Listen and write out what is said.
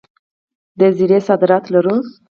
د زیرې صادرات لرو؟